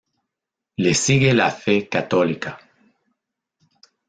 Le sigue la fe católica.